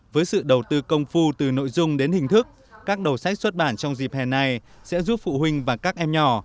với sự đầu tư công phu từ nội dung đến hình thức các đầu sách xuất bản trong dịp hè này sẽ giúp phụ huynh và các em nhỏ